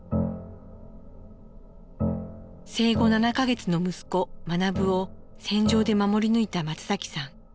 生後７か月の息子学を戦場で守り抜いた松崎さん。